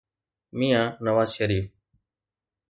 ميان Nawaz شريف.